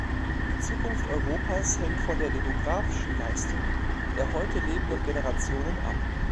Die Zukunft Europas hängt von der demografischen Leistung der heute lebenden Generationen ab.